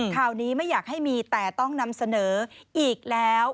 ข่าวนี้ไม่อยากให้มีแต่ต้องนำเสนออีกแล้ว